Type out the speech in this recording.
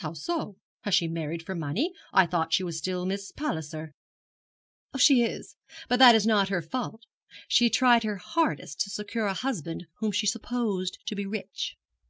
'How so? Has she married for money? I thought she was still Miss Palliser?' 'She is; but that is not her fault. She tried her hardest to secure a husband whom she supposed to be rich.'